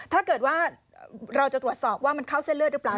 ถ้าเกิดว่าเราจะตรวจสอบว่ามันเข้าเส้นเลือดหรือเปล่า